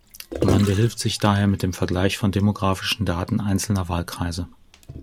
Man behilft sich daher mit dem Vergleich von demographischen Daten einzelner Wahlkreise.